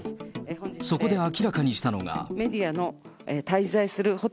そこで明らかにしたのが。